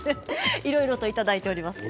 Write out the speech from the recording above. いろいろといただいています。